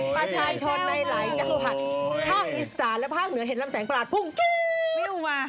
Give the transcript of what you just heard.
ประชาชนในหลายจังหวัดภาคอีสานและภาคเหนือเห็นลำแสงประหลาดพุ่งมา